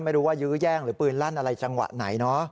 ไม่รู้ว่ายื้อแย่งหรือปืนลั่นอะไรจังหวะไหนเนอะ